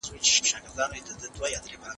هغه خلک چې په بازار کې بریالي دي، ډېر کار کوي.